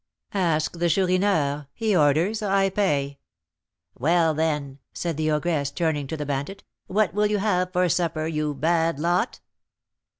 "Ask the Chourineur; he orders, I pay." "Well, then," said the ogress, turning to the bandit, "what will you have for supper, you 'bad lot?'"